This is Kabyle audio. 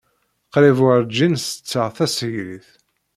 Qrib werǧin setteɣ tasegrit.